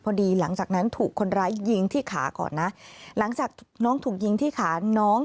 หลังจากนั้นถูกคนร้ายยิงที่ขาก่อนนะหลังจากน้องถูกยิงที่ขาน้อง